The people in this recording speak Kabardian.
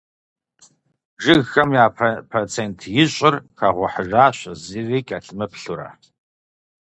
Жыгхэм я процент ищӏыр хэгъухьыжащ зыри кӀэлъымыплъурэ.